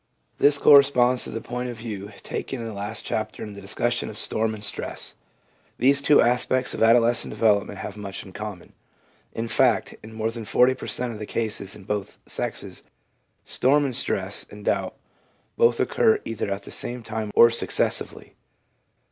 This corresponds to the point of view taken in the last chapter in the discussion of storm and stress. These two aspects of adolescent development have much in common ; in fact, in more than 40 per cent, of the cases in both sexes, storm and stress and doubt both occur either at the same time or successively.